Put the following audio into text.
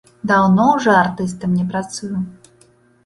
Даўно ўжо артыстам не працую.